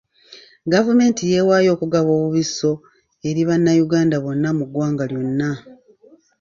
Gavumenti yeewaayo okugaba obubisso eri bannayuganda bonna mu ggwanga lyonna.